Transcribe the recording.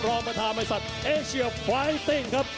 รองประธามัยสัตว์เอเชียวไฟติ้งครับ